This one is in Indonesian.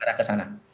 arah ke sana